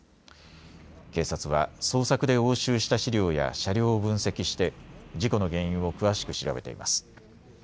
警察は捜索で押収した資料や車両を分析して事故の原因を詳しく調べています。